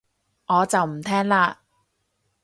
我就唔聽喇